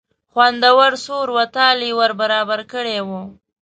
خوندور سور و تال یې ور برابر کړی و.